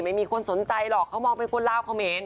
ไม่มีคนสนใจหรอกเขามองเป็นคนลาวเขมร